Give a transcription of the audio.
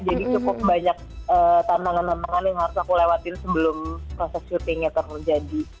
jadi cukup banyak tambangan tambangan yang harus aku lewatin sebelum proses syutingnya terjadi